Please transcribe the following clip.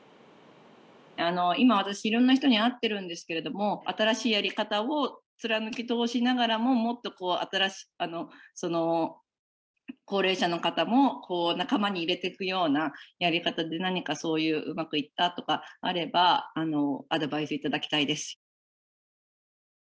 「今私いろんな人に会ってるんですけれども新しいやり方を貫き通しながらももっとこう高齢者の方も仲間に入れていくようなやり方で何かそういううまくいったとかあればアドバイス頂きたいです」。